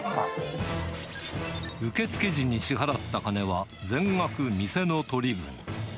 受け付け時に支払った金は全額店の取り分。